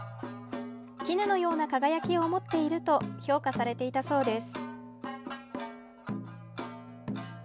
絹のような輝きを持っていると評価されていたそうです。